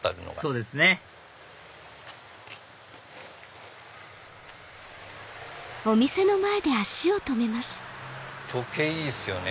そうですね時計いいっすよね。